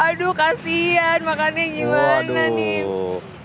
aduh kasian makannya gimana nih